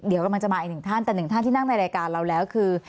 เดี๋ยวกำลังจะมาอีกหนึ่งท่านแต่หนึ่งท่านที่นั่งในรายการเราแล้วคือ